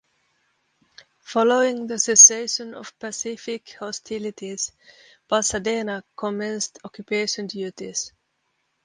Following the cessation of Pacific hostilities, "Pasadena" commenced occupation duties.